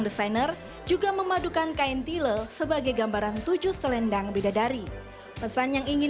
desainer juga memadukan kain tile sebagai gambaran tujuh selendang bidadari pesan yang ingin